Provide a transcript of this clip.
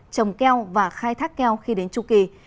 trồng keo và khai thác keo khi đến chu kỳ